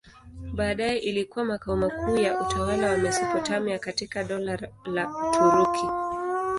Baadaye ilikuwa makao makuu ya utawala wa Mesopotamia katika Dola la Uturuki.